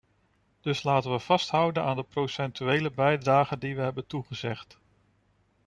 Dus laten we vasthouden aan de procentuele bijdrage die we hebben toegezegd.